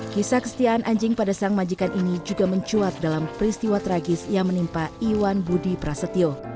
kisah kestiaan anjing pada sang majikan ini juga mencuat dalam peristiwa tragis yang menimpa iwan budi prasetyo